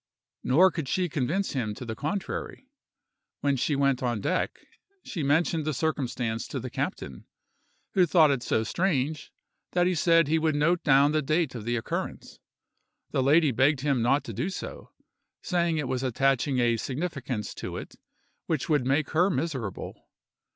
Nor could she convince him to the contrary. When she went on deck, she mentioned the circumstance to the captain, who thought it so strange, that he said he would note down the date of the occurrence. The lady begged him not to do so, saying it was attaching a significance to it which would make her miserable.